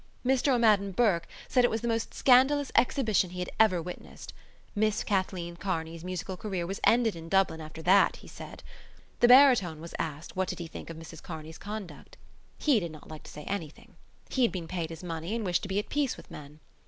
Mr O'Madden Burke said it was the most scandalous exhibition he had ever witnessed. Miss Kathleen Kearney's musical career was ended in Dublin after that, he said. The baritone was asked what did he think of Mrs Kearney's conduct. He did not like to say anything. He had been paid his money and wished to be at peace with men.